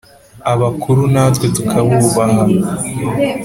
Aakuru natwe tukabubaha